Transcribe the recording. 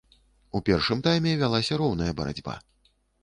У першым тайме вялася роўная барацьба.